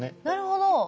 なるほど。